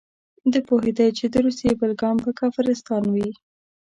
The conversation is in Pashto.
ده پوهېده چې د روسیې بل ګام به کافرستان وي.